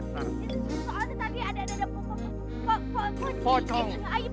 itu soalnya tadi ada ada po po pocong di sini